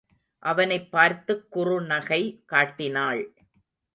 அவனைப் பார்த்துக் குறுநகை காட்டினாள்.